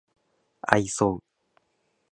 愛想